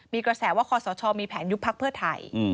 มีกระแสว่าคอสชมีแผนยุบพักเพื่อไทย